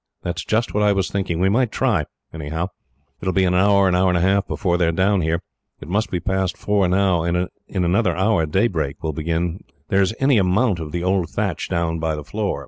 "That is just what I was thinking," Dick replied. "We might try, anyhow. It will be an hour and a half before they are down here. It must be past four now, and in another hour daylight will begin to break. "There is any amount of the old thatch down on the floor.